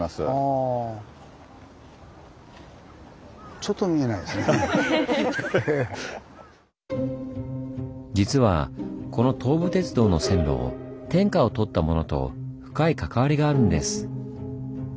ちょっと実はこの東武鉄道の線路天下をとったものと深い関わりがあるんです。